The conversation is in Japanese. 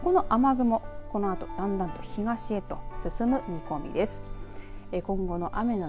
この雨雲、このあとだんだんと東へと進む見込みです。